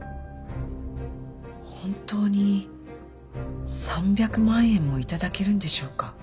本当に３００万円も頂けるんでしょうか？